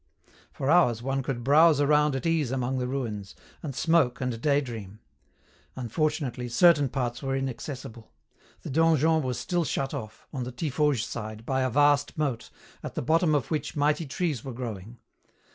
For hours one could browse around at ease among the ruins, and smoke and daydream. Unfortunately, certain parts were inaccessible. The donjon was still shut off, on the Tiffauges side, by a vast moat, at the bottom of which mighty trees were growing.